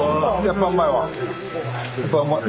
やっぱうまいわ。